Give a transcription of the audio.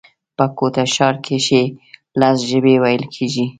په کوټه ښار کښي لس ژبي ویل کېږي